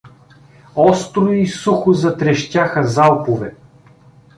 Остро и сухо затрещяха залпове.